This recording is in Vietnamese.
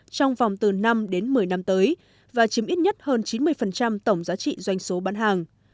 trong vòng từ năm đến một mươi năm tới và chiếm ít nhất hơn chín mươi tổng giá trị doanh số bán hàng